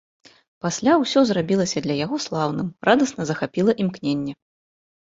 Пасля ўсё зрабілася для яго слаўным, радасна захапіла імкненне.